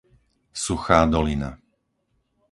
Suchá Dolina